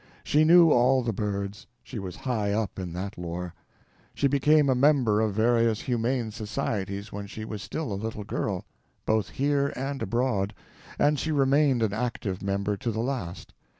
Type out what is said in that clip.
She knew all the birds; she was high up in that lore. She became a member of various humane societies when she was still a little girl—both here and abroad—and she remained an active member to the last.